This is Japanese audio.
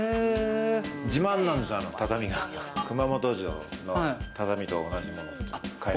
自慢なんです、畳が熊本城の畳と同じもの。